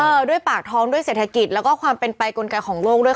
ด้วยปากท้องด้วยเศรษฐกิจแล้วก็ความเป็นไปกลไกของโลกด้วย